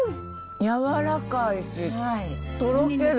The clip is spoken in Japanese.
やわらかいしとろける。